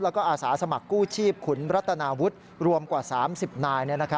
แล้วก็อาสาสมัครกู้ชีพขุนรัตนาวุฒิรวมกว่า๓๐นาย